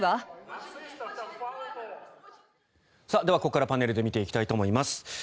ではここからパネルで見ていきたいと思います。